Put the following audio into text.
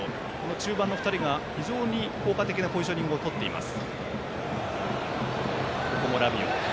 中盤の２人が非常に効果的なポジショニングをとっています。